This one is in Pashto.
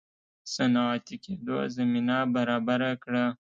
صنعتي کېدو زمینه برابره کړه.